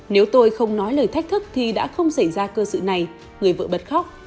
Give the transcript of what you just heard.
nếu tôi không nói lời thách thức thì đã không xảy ra cơ sự này người vợ bật khóc